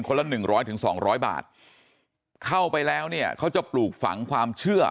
คนละ๑๐๐ถึง๒๐๐บาทเข้าไปแล้วเนี่ยเขาจะปลูกฝังความเชื่อ